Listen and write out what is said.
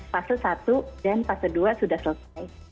fase satu dan fase dua sudah selesai